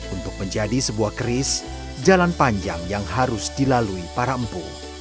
untuk menjadi sebuah keris jalan panjang yang harus dilalui para empu